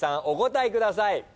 お答えください。